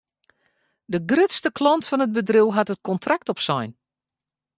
De grutste klant fan it bedriuw hat it kontrakt opsein.